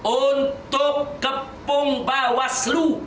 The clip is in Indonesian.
untuk kepung bawah selu